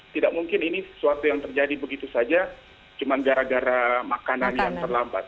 tidak mungkin ini sesuatu yang terjadi begitu saja cuma gara gara makanan yang terlambat